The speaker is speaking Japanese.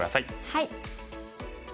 はい。